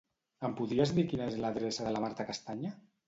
Em podries dir quina és l'adreça de la Marta Castanya?